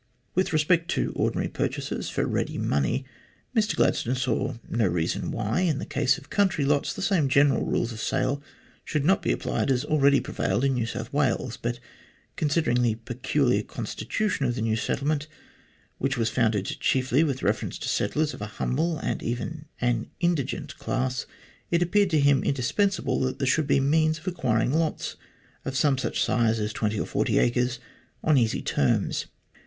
With respect to ordinary pur chasers for ready money, Mr Gladstone saw no reason why, in the case of country lots, the same general rules of sale should not be applied as already prevailed in New South Wales ; but considering the peculiar constitution of the new settlement, which was founded chiefly with reference to settlers of an humble and even an indigent class, it appeared to him indispensable that there should be the means of acquiring lots of some such size as 20 or 40 acres on easy terms.